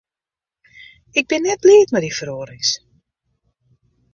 Ik bin net bliid mei dy feroarings.